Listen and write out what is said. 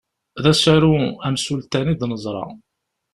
D asaru amsultan i d-neẓra.